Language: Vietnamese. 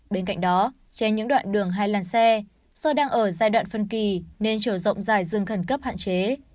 bên cạnh đó trên những đoạn đường hai làn xe do đang ở giai đoạn phân kỳ nên chiều rộng dài rừng khẩn cấp hạn chế